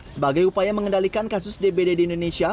sebagai upaya mengendalikan kasus dbd di indonesia